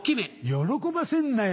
喜ばせるなよ。